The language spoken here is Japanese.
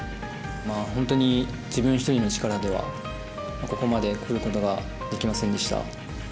本当に自分１人の力ではここまでくることができませんでした。